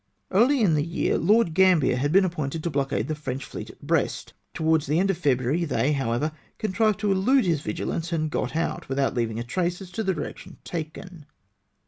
Early in the year Lord Gambler had been appointed to blockade the French fleet at Brest. Towards the end of February they, however, contrived to elude liis vigilance, and got out without leaving a trace as to the direction taken.